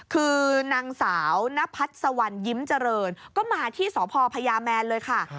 คือนางสาวนพัดสวรรค์ยิ้มเจริญก็มาที่สพพญาแมนเลยค่ะ